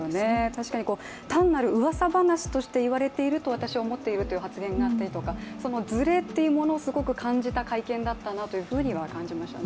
確かに単なる噂話として言われていると私は思っているという発言があったりとか、ずれというものをすごく感じた会見だったなと感じましたね。